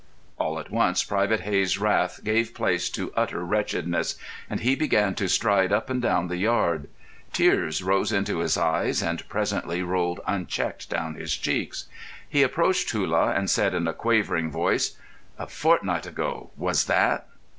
All at once Private Hey's wrath gave place to utter wretchedness, and he began to stride up and down the yard. Tears rose into his eyes, and presently rolled unchecked down his cheeks. He approached Hullah, and said in a quavering voice: "A fortnight ago—was that?"